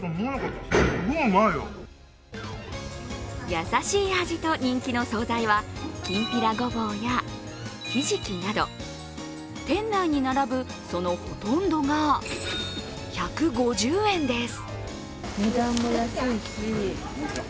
優しい味と人気の総菜はきんぴらごぼうやひじきなど、店内に並ぶそのほとんどが１５０円です。